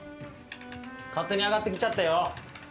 勝手に上がってきちゃったよ。